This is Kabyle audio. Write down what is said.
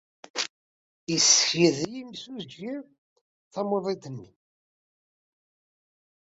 Yessekyed yimsujji tamuḍint-nni.